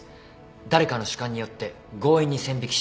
誰かの主観によって強引に線引きし切り捨てる。